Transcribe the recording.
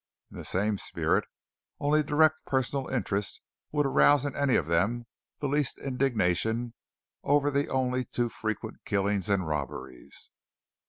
In the same spirit only direct personal interest would arouse in any of them the least indignation over the only too frequent killings and robberies.